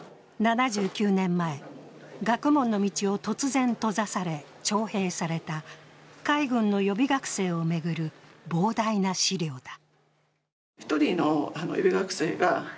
７９年前、学問の道を突然閉ざされ、徴兵された海軍の予備学生を巡る膨大な資料だ。